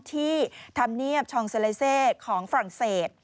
ที่ธรรมเนียบชองเซเลเซของฝรั่งเศส